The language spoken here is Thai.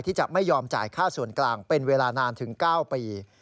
ที่จะไม่ยอมจ่ายค่าส่วนกลางเป็นเวลานานถึง๙ปี